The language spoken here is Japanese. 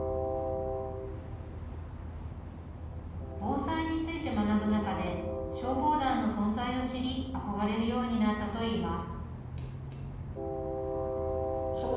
防災について学ぶ中で、消防団の存在を知り、憧れるようになったといいます。